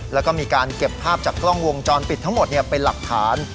แล้วก็มีการเก็บภาพจากกล้องวงจรปิดทั้งหมดเป็นหลักฐาน